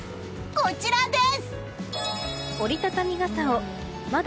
こちらです！